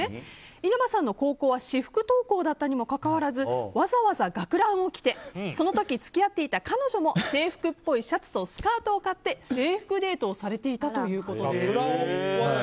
稲葉さんの高校は私服登校だったにもかかわらずわざわざ学ランを着てその時付き合っていた彼女も制服っぽいシャツとスカートを買って制服デートをされていたということです。